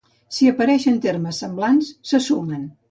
Si apareixen termes semblants, se sumen.